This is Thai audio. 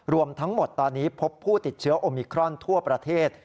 รวมทั้งหมดตอนนี้พบผู้ติดเชื้อโอมิครอนทั่วประเทศ